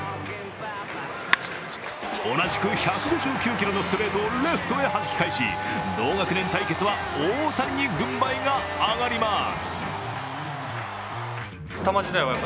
同じく１５９キロのストレートをレフトへはじき返し同学年対決は大谷に軍配が上がります。